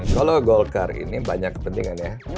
kalau golkar ini banyak kepentingan ya